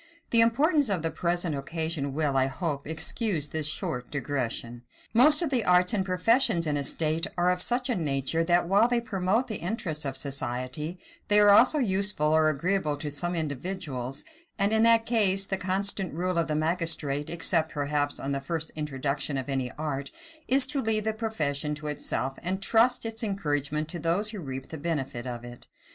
The importance of the present occasion will, I hope, excuse this short digression. Most of the arts and professions in a state are of such a nature, that, while they promote the interests of the society, they are also useful or agreeable to some individuals; and, in that case, the constant rule of the magistrate, except, perhaps, on the first introduction of any art, is to leave the profession to itself, and trust its encouragement to those who reap the benefit of it.